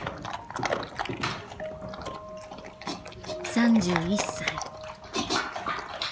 ３１歳。